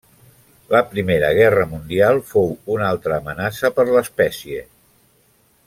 La Primera Guerra Mundial fou una altra amenaça per l'espècie.